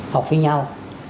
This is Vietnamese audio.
học với nhau